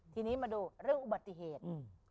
ทีนี้มาดูเรื่องอุบัติเหตุ